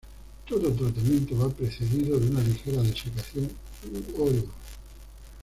Todo tratamiento va precedido de una ligera desecación u oreo.